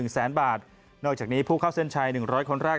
แสนบาทนอกจากนี้ผู้เข้าเส้นชัย๑๐๐คนแรก